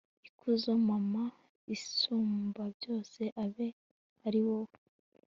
ikuzo mana isumbabyose, abe ari wowe